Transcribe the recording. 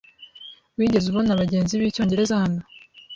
Wigeze ubona abagenzi b'icyongereza hano?